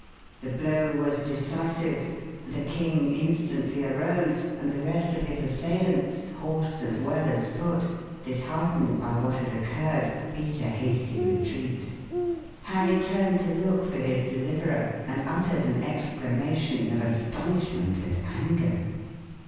The blow was decisive; the king instantly arose, and the rest of his assailants horse as well as foot disheartened by what had occurred, beat a hasty retreat. Harry turned to look for his deliverer, and uttered an exclamation of astonishment and anger.